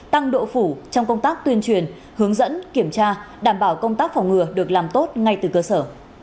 tăng độ phủ trong công tác tuyên truyền hướng dẫn kiểm tra đảm bảo công tác phòng ngừa được làm tốt ngay từ cơ sở